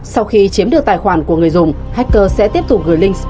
sau khi chiếm được tài khoản của người dùng hacker sẽ tiếp tục gửi link spam đến cho bạn bè